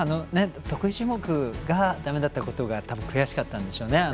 得意種目がだめだったことが悔しかったんでしょうね。